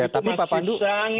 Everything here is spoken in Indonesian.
tapi pak pandu